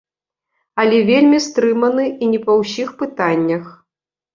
Але вельмі стрыманы і не па ўсіх пытаннях.